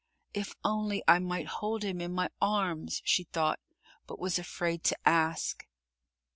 "If only I might hold Him in my arms," she thought, but was afraid to ask.